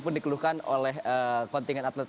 pun dikeluhkan oleh kontingen atlet